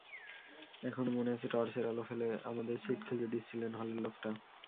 এখনো মনে আছে টর্চের আলো ফেলে আমাদের সিট খুঁজে দিচ্ছিলেন হলের লোকটা।